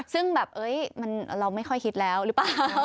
ซึ่งแบบเราไม่ค่อยคิดแล้วหรือเปล่า